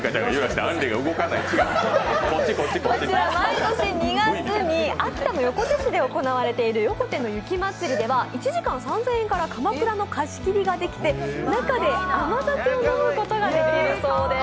毎年２月に秋田の横手市で行われている横手の雪まつりでは１時間３０００円からかまくらの貸し切りができて、中で甘酒を飲むことができるそうです。